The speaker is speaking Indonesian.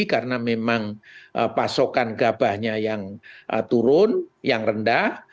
karena memang pasokan gabahnya yang turun yang rendah